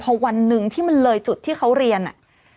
พอวันหนึ่งที่มันเลยจุดที่เขาเรียนอ่ะ